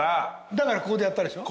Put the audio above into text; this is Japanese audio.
だからここでやったでしょ？